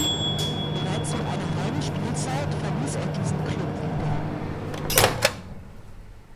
Bereits nach einer halben Spielzeit verließ er diesen Klub wieder.